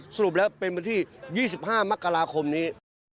สรุปแล้วเป็นวันที่๒๕มกราคมนี้